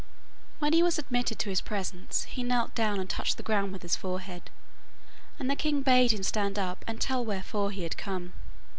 When he was admitted to his presence, he knelt down and touched the ground with his forehead, and the king bade him stand up and tell wherefore he had come.